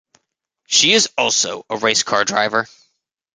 She is also a race car driver.